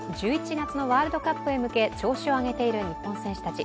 １１月のワールドカップへ向け調子を上げている日本選手たち。